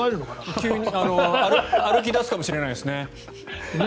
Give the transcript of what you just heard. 急に歩き出すかもしれないですね。